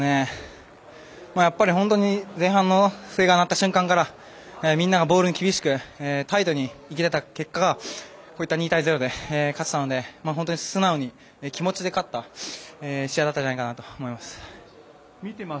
本当に前半の笛が鳴った瞬間からみんながボールに厳しくタイトに行けた結果が２対０で勝てたので本当に素直に気持ちで勝った試合だったと思います。